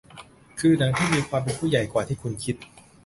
คือหนังที่มีความเป็นผู้ใหญ่กว่าที่คุณคิด